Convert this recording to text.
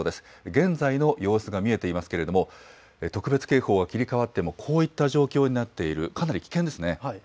現在の様子が見えていますけれども、特別警報が切り替わっても、こういった状況になっている、かなり危険ですね。